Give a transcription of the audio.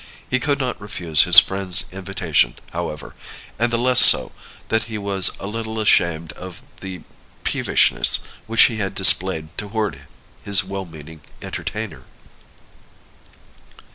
He could not refuse his friend's invitation, however; and the less so, that he was a little ashamed of the peevishness which he had displayed toward his well meaning entertainer.